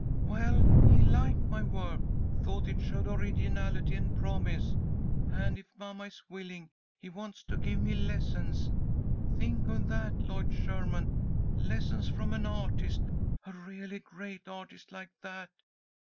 "Well, he liked my work, thought it showed originality and promise, and, if mamma is willing, he wants to give me lessons. Think of that, Lloyd Sherman, lessons from an artist, a really great artist like that!